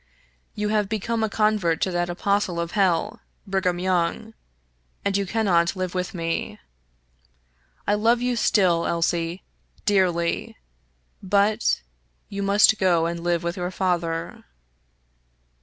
You have become a convert to that apostle of hell, Brigham Young, and you cannot live with me. I love you still, Elsie, dearly; but — you must go and live with your father."